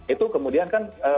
itu kemudian kan